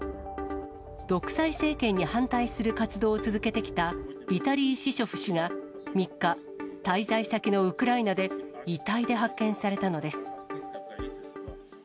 独裁政権に反対する活動を続けてきたビタリー・シショフ氏が３日、滞在先のウクライナで遺体で発見されたのです。